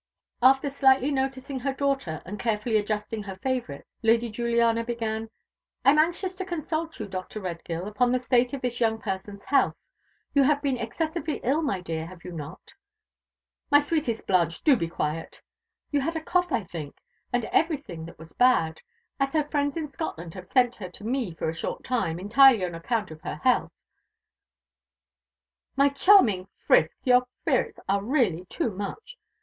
After slightly noticing her daughter, and carefully adjusting her favourites, Lady Juliana began: "I am anxious to consult you, Dr. Redgill, upon the state of this young person's health. You have been excessively ill, my dear, have you not? (My sweetest Blanche, do be quiet!) You had a cough, I think, and everything that was bad. And as her friends in Scotland have sent her to me for a short time, entirely on account of her health (My charming, Frisk, your spirits are really too much!)